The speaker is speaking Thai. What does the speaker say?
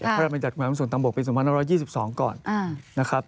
ถ้าเรามาจัดกฎหมายมันส่วนต่างบกเป็นส่วน๑๒๒ก่อนนะครับ